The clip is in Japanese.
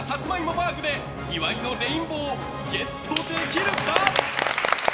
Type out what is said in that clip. バーグで岩井のレインボーをゲットできるか？